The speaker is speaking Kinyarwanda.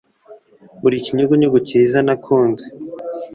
Uri ikinyugunyugu cyiza nakunze